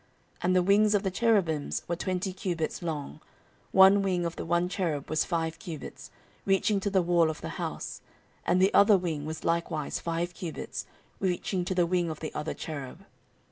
14:003:011 And the wings of the cherubims were twenty cubits long: one wing of the one cherub was five cubits, reaching to the wall of the house: and the other wing was likewise five cubits, reaching to the wing of the other cherub.